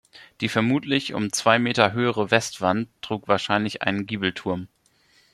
Die vermutlich um zwei Meter höhere Westwand trug wahrscheinlich einen Giebelturm.